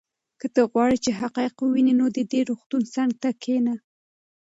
که ته غواړې چې حقایق ووینې نو د دې روغتون څنګ ته کښېنه.